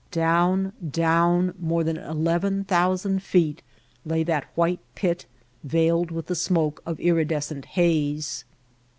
Down, down, more than ii, ooo feet, lay that white pit veiled with the smoke of iridescent haze.